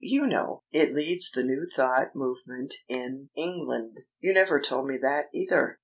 You know, it leads the New Thought movement in England." "You never told me that either."